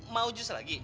mau jus lagi